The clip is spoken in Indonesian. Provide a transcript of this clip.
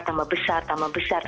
tambah besar tambah besar